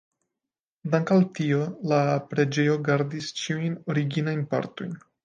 Dank' al tio la preĝejo gardis ĉiujn originajn partojn.